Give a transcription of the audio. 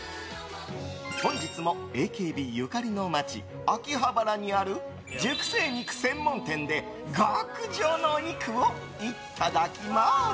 本日もＡＫＢゆかりの街・秋葉原にある熟成肉専門店で極上のお肉をいただきます。